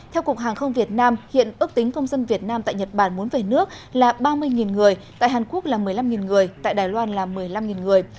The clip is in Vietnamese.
theo cục hàng không việt nam hiện ước tính công dân việt nam tại nhật bản muốn về nước là ba mươi người tại hàn quốc là một mươi năm người tại đài loan là một mươi năm người